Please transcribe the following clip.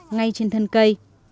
ngay trên thân cây